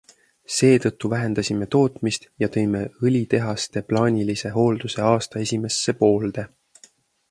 Seetõttu vähendasime tootmist ja tõime õlitehaste plaanilise hoolduse aasta esimesse poolde.